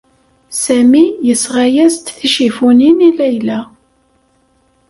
Sami yesɣa-as-d ticifufin i Layla.